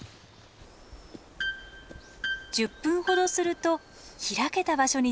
１０分ほどすると開けた場所に出ました。